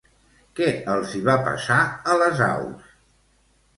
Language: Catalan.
Què els hi va passar a les aus?